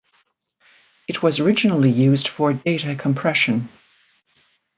It was originally used for data compression.